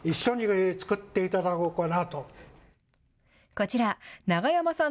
こちら、永山さん